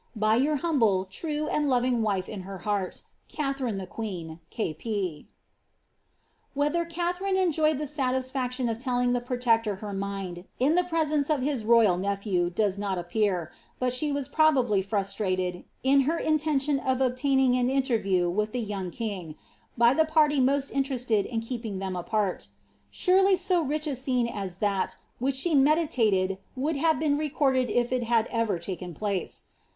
By your humble, true, and loving wife in her heart, Katkrtx th» Qckjtk, K. P."» Whether Katharine enjoyed the satisfaction of telling the protector her mind, in the presence of his royal nephew, does not appear, but ihe was probably frustrated, in her intention of obtaining an interview with the young king, by the party nio.st interested in keeping them apart Surely so rich a scene as that which she meditated would have been recorded if it had ever taken place.